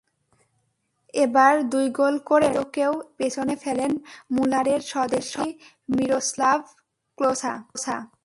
এবার দুই গোল করে রোনালদোকেও পেছনে ফেলেন মুলারের স্বদেশি মিরোস্লাভ ক্লোসা।